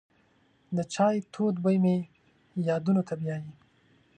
د چای تود بوی مې یادونو ته بیایي.